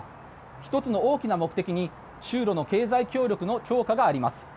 １つの大きな目的に中ロの経済協力の強化があります。